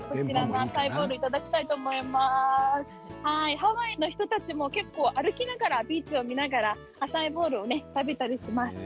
ハワイの人たちも結構、歩きながらビーチを見ながらアサイーボウルを食べたりします。